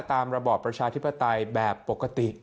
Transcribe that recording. ระบอบประชาธิปไตยแบบปกติ